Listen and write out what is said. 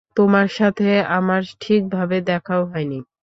তোমার সাথে আমার ঠিকভাবে দেখাও হয়নি।